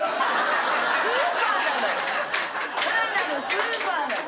スーパーなの！